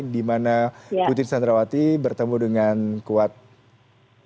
di mana putri santrawati bertemu dengan kuat maruf